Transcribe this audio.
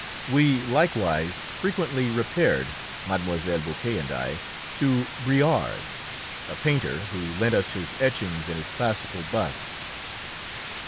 We likewise frequently repaired, Mlle. Boquet and I, to Briard's, a painter, who lent us his etchings and his classical busts.